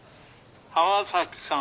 浜崎さん